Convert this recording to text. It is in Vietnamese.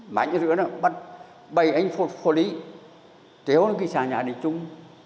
mãnh giữa đó bắt bảy anh phổ lý tréo đến kỳ xà nhà để trung